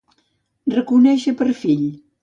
Reconèixer per fill.